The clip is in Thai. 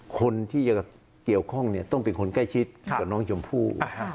คนที่จะเกี่ยวข้องต้องเป็นคนใกล้ชิดกับน้องชมพู่